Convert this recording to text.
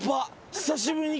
久しぶりに。